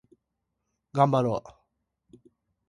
がんばろう